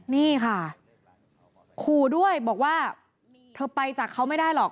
นี่ค่ะขู่ด้วยบอกว่าเธอไปจากเขาไม่ได้หรอก